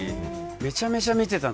めちゃめちゃ見てた。